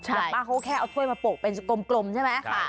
แบบป้าเขาแค่เอาถ้วยมาโปร่งเป็นกลมใช่ไหม